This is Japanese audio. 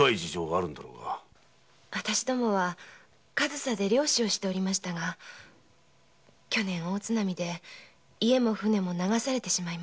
わたしどもは上総で漁師をしておりましたが去年大津波で家も舟も流されてしまいました。